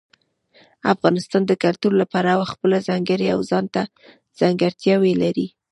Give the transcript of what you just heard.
افغانستان د کلتور له پلوه خپله ځانګړې او ځانته ځانګړتیاوې لري.